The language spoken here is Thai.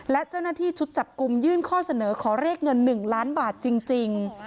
และเจ้าหน้าที่ชุดจับกลุ่มยื่นข้อเสนอขอเรียกเงิน๑ล้านบาทจริง